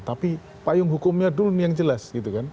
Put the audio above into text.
tapi payung hukumnya dulu yang jelas